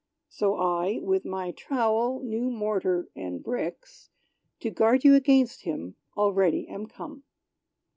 So I, with my trowel, new mortar and bricks, To guard you against him, already am come.